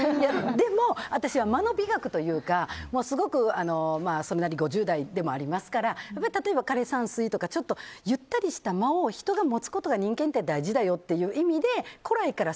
でも、私は間の美学というか５０代でもありますから枯山水とかちょっとゆったりした間を人が持つことが大事だよっていう意味で古来から、